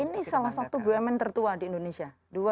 ini salah satu bumn tertua di indonesia